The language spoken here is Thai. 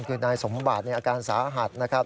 คือนายสมบัติอาการสาหัสนะครับ